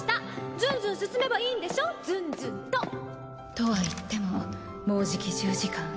ずんずん進めばいいんでしょずんずんと。とは言ってももうじき１０時間。